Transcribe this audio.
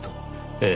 ええ。